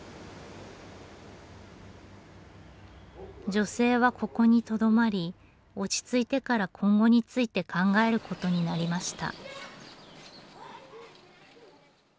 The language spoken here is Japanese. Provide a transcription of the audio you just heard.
女性はここにとどまり落ち着いてから今後について考えることになりました。